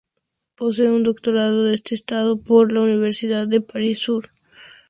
Posee un doctorado de estado, por la Universidad de París-Sur, en evolución sistemática.